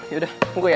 yaudah tunggu ya